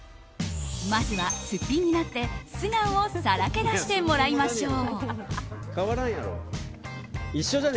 まずは、すっぴんになって素顔をさらけ出してもらいましょう。